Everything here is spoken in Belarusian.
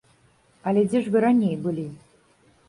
Але дзе ж вы раней былі?